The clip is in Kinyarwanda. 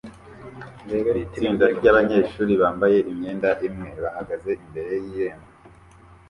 Itsinda ryabanyeshuri bambaye imyenda imwe bahagaze imbere y irembo